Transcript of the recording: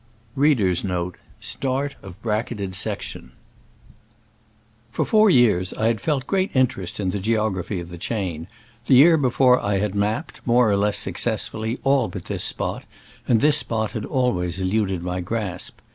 [For four years I had felt great interest in the geography of the chain : the year before I had mapped, more or less suc cessfully, all but this spot, and this spot had always eluded my grasp.